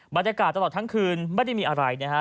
บรรยากาศตลอดทั้งคืนไม่ได้มีอะไรนะฮะ